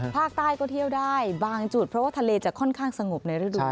ภาคใต้ก็เที่ยวได้บางจุดเพราะว่าทะเลจะค่อนข้างสงบในฤดู